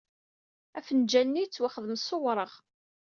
Afenjal-nni yettwaxdem s wureɣ.